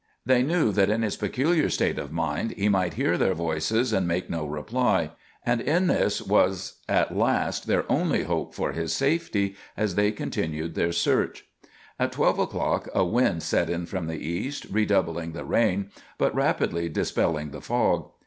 They knew that in his peculiar state of mind he might hear their voices and make no reply, and in this was at last their only hope of his safety as they continued their search. At twelve o'clock a wind set in from the east, redoubling the rain, but rapidly dispelling the fog.